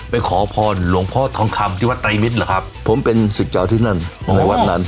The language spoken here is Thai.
ขอพรหลวงพ่อทองคำที่วัดไตรมิตรเหรอครับผมเป็นศึกเจ้าที่นั่นในวัดนั้น